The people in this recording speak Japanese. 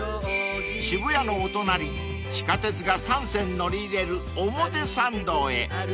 ［渋谷のお隣地下鉄が３線乗り入れる表参道へ］